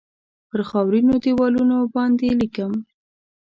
پر خاورینو دیوالونو باندې لیکم